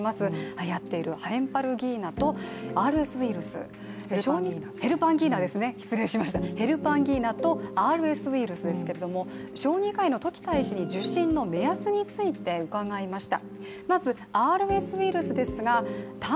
はやっているヘルパンギーナとＲＳウイルスですけれども小児科医の時田医師に受診の目泰について伺いました。